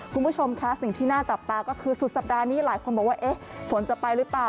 คุณผู้ชมค่ะสิ่งที่น่าจับตาก็คือสุดสัปดาห์นี้หลายคนบอกว่าเอ๊ะฝนจะไปหรือเปล่า